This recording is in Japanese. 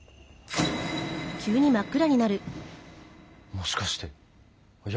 もしかしていや